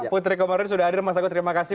putri komarir sudah hadir mas agung terima kasih